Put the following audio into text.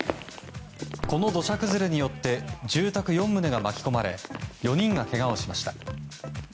この土砂崩れによって住宅４棟が巻き込まれ４人が、けがをしました。